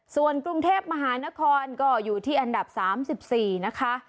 ส่วนกรุงเทพมหานครก็อยู่ที่อันดับ๓๔นะคะ